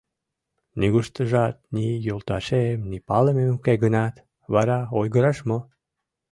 Нигуштыжат ни йолташем, ни палымем уке гынат, вара ойгыраш мо?